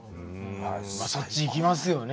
まあそっち行きますよね。